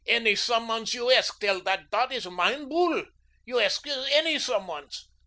Any someones you esk tell you dot is mein boole. You esk any someones.